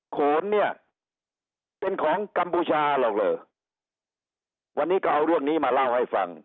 โขนเนี่ยเป็นของกัมพูชาหรอกเหรอวันนี้ก็เอาเรื่องนี้มาเล่าให้ฟัง